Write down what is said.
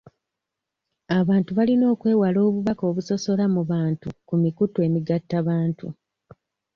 Abantu balina okwewala obubaka obusosola mu bantu ku mikutu emigattabantu.